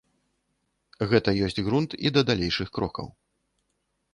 Гэта ёсць грунт і да далейшых крокаў.